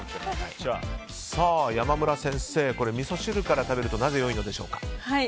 山村先生、みそ汁から食べるとなぜよいのでしょうか？